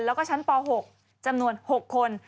แล้วก็ชั้นป๖จำนวน๖คน